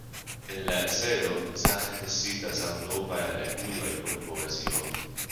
En la eseo Zaĥ decidas al novaj reguloj por poezio.